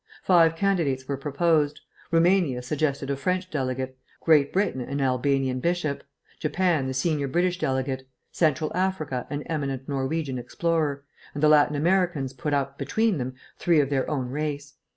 Five candidates were proposed: Roumania suggested a French delegate, Great Britain an Albanian bishop, Japan the senior British delegate, Central Africa an eminent Norwegian explorer, and the Latin Americans put up, between them, three of their own race.